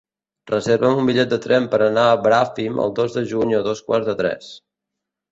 Reserva'm un bitllet de tren per anar a Bràfim el dos de juny a dos quarts de tres.